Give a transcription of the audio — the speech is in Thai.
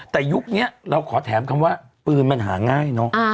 แต่ยุคนี้เราขอแถมคำว่าปืนมันหาง่ายเนอะ